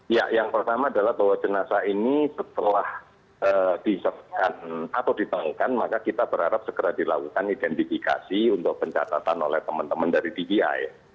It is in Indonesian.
ya yang pertama adalah bahwa jenazah ini setelah diserahkan atau ditemukan maka kita berharap segera dilakukan identifikasi untuk pencatatan oleh teman teman dari dvi